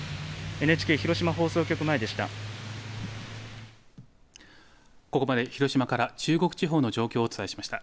ＮＨＫ広島放送局前でした。